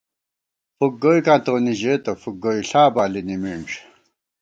فُک گوئیکاں تونی ژېتہ، فُک گوئیݪا بالی نِمِنݮ